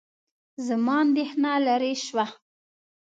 زما اندېښنه لیرې شوه.